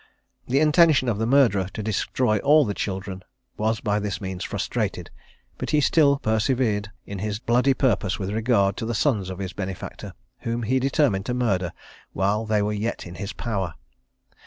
The intention of the murderer to destroy all the children was by this means frustrated; but he still persevered in his bloody purpose with regard to the sons of his benefactor, whom he determined to murder while they were yet in his power.